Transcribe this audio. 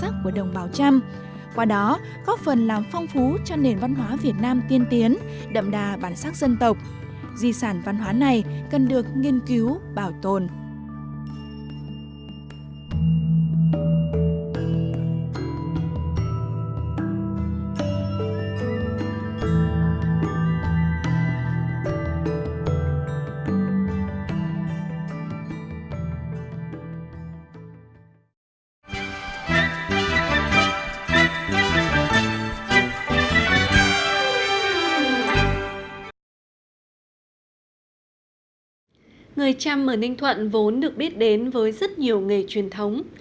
trăm ở ninh thuận vốn được biết đến với rất nhiều nghề truyền thống